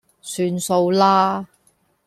算數啦